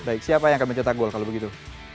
baik siapa yang akan mencetak gol kalau begitu